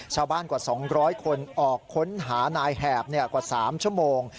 กว่า๒๐๐คนออกค้นหานายแหบกว่า๓ชั่วโมง